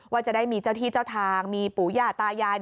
ว่าจะได้มีเจ้าที่เจ้าทางมีปู่ย่าตายาย